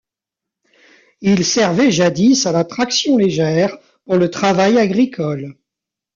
Il servait jadis à la traction légère, pour le travail agricole.